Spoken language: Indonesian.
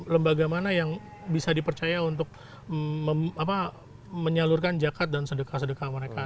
lembaga mana yang bisa dipercaya untuk menyalurkan jakat dan sedekah sedekah mereka